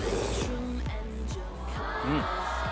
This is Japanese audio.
うん！